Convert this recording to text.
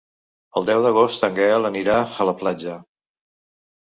El deu d'agost en Gaël anirà a la platja.